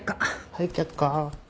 はい却下。